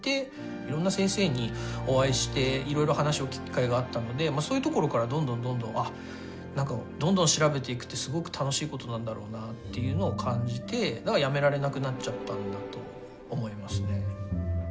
いろんな先生にお会いしていろいろ話を聞く機会があったのでそういうところからどんどんどんどんあっ何かどんどん調べていくってすごく楽しいことなんだろうなっていうのを感じてやめられなくなっちゃったんだと思いますね。